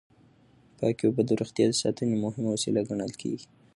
پاکې اوبه د روغتیا د ساتنې مهمه وسیله ګڼل کېږي.